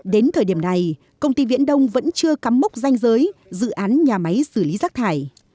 đến thời điểm này công ty viễn đông vẫn chưa cắm mốc danh giới dự án nhà máy xử lý rác thải